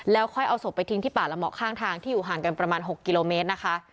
แล้วค่อยเอาศพไปทิ้งที่ป่าละเหมาะข้างทางที่อยู่ห่างกันประมาณ๖กิโลเมตรนะคะ